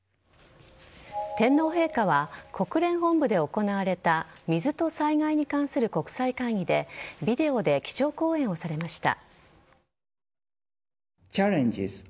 天皇陛下は国連本部で行われた水と災害に関する国際会議でビデオで基調講演をされました。